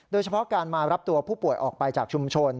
โดยเฉพาะการมารับตัวผู้ป่วยออกไปจากชุมชน